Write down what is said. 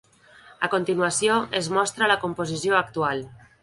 A continuació es mostra la composició actual.